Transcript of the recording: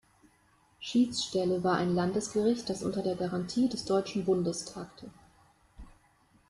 Schiedsstelle war ein Landesgericht, das unter der Garantie des Deutschen Bundes tagte.